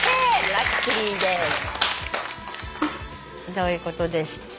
ということでした。